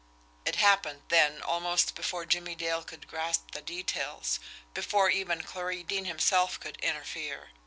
It happened then almost before Jimmie Dale could grasp the details; before even Clarie Deane himself could interfere.